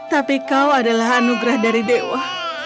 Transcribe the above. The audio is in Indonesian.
tapi kau adalah anugerah dari dewa